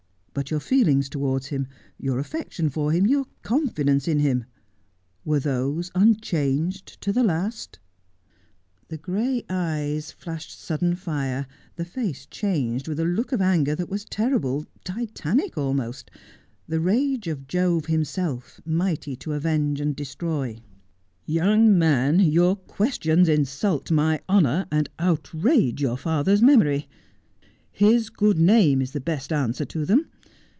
' But your feelings towards him, your affection for him, your confidence in him ? Were those unchanged to the last V The gray eyes flashed sudden fire ; the face changed with a look of anger that was terrible, titanic almost — the rage of Jove himself, mighty to avenge and destroy. ' Young man, your questions insult my honour, and outrage your father's memory. His good name is the best answer to them.